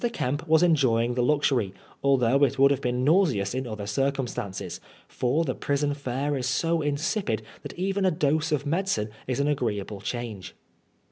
Kemp was enjoying the luxury, although it would have been nauseous in other circumstances ; for the prison &u e is BO insipid that even a dose of medicine is an agree able change.